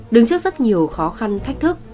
đứng trước rất nhiều khó khăn thách thức